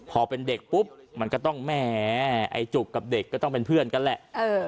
พอเป็นเด็กปุ๊บมันก็ต้องแหมไอ้จุกกับเด็กก็ต้องเป็นเพื่อนกันแหละ